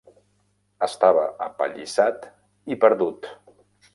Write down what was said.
Estava apallissat i perdut.